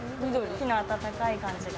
木の温かい感じが。